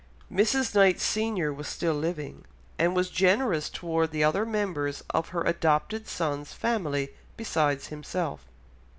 Mrs. Knight senior was still living, and was generous toward the other members of her adopted son's family besides himself.